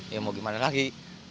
ya mau gimana lagi